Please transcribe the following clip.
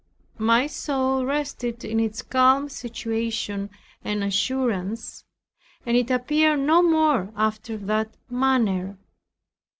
My soul rested in its calm situation and assurance, and it appeared no more after that manner.